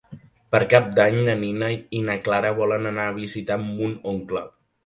Per Cap d'Any na Nina i na Clara volen anar a visitar mon oncle.